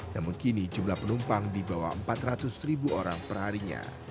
namun kini jumlah penumpang di bawah empat ratus ribu orang perharinya